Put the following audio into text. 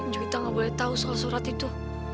juwita nggak boleh tahu soal surat itu